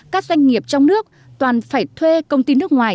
các doanh nghiệp trong nước toàn phải thuê công ty nước ngoài